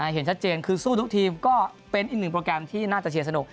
เห็นชัดเจนคือสู้ทุกทีมก็เป็นอีกหนึ่งโปรแกรมที่น่าจะเชียร์สนุก